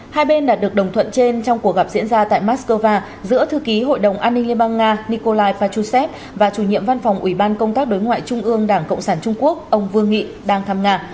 hai bên đạt được đồng thuận trên trong cuộc gặp diễn ra tại moscow giữa thư ký hội đồng an ninh liên bang nga nikolai fajusev và chủ nhiệm văn phòng ủy ban công tác đối ngoại trung ương đảng cộng sản trung quốc ông vương nghị đang thăm nga